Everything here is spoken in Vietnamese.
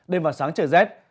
đêm và sáng trời rét